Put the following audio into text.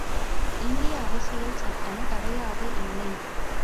இந்திய அரசியல் சட்டம் தடையாக இல்லை.